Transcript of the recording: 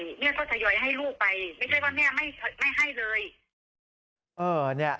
แม่ก็ทยอยให้ลูกไปไม่ใช่ว่าแม่ไม่ให้เลย